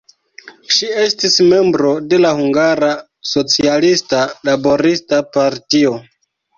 Ŝi estis membro de la Hungara Socialista Laborista Partio.